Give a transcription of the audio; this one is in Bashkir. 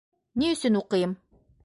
Ни өсөн уҡыйым?